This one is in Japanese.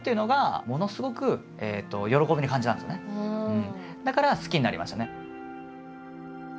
なのでだから好きになりましたね。